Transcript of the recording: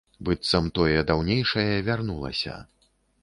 Быццам тое даўнейшае вярнулася.